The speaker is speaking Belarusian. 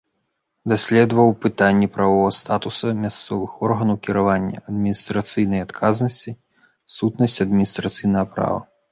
Даследаваў пытанні прававога статуса мясцовых органаў кіравання, адміністрацыйнай адказнасці, сутнасць адміністрацыйнага права.